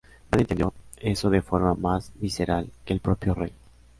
Nadie entendió eso de forma más visceral que el propio rey.